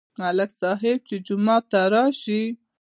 ملک صاحب چې جومات ته راشي.